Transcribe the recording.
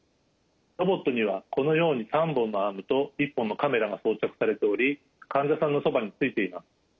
ロボットにはこのように３本のアームと１本のカメラが装着されており患者さんのそばについています。